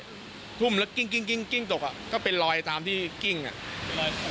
ทุ่มแล้วกิ้งกิ้งตกอ่ะก็เป็นรอยตามที่กิ้งอ่ะ